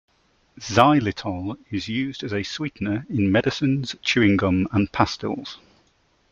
Xylitol is used as a sweetener in medicines, chewing gum and pastilles.